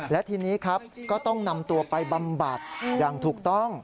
และทีนี้ครับก็ต้องนำตัวไปบำบัดอย่างถูกต้อง